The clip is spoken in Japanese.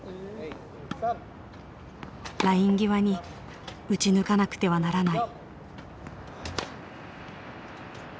ライン際に打ち抜かなくてはならない。